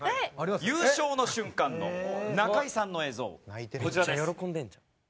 優勝の瞬間の中居さんの映像こちらです。